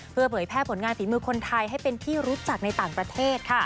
เพื่อเผยแพร่ผลงานฝีมือคนไทยให้เป็นที่รู้จักในต่างประเทศค่ะ